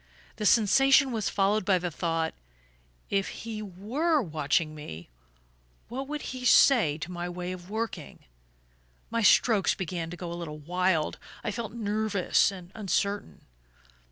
The sensation was followed by the thought: if he WERE watching me, what would he say to my way of working? My strokes began to go a little wild I felt nervous and uncertain.